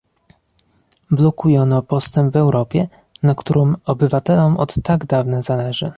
Blokuje ono postęp w Europie, na którym obywatelom od tak dawna zależy